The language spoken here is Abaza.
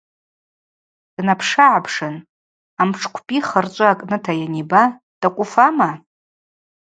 Днапшыгӏапшын амшӏкӏвпӏи хырчӏвы акӏныта йаниба: – Тӏакӏв уфама?